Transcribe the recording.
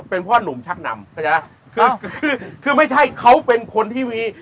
เป็นพ่อหนุ่มชักนำเข้าใจไหมคือคือไม่ใช่เขาเป็นคนที่มี